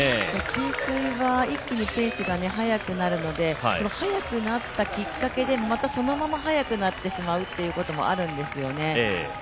給水は一気にペースが速くなるので、速くなったきっかけでそのまま速くなってしまうこともあるんですよね。